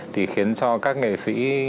thì khiến cho các nghệ sĩ